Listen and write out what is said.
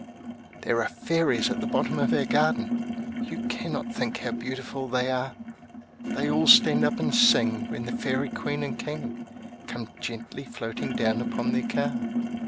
There are fairies at the bottom of our garden! You cannot think how beautiful they are; They all stand up and sing when the Fairy Queen and King Come gently floating down upon their car.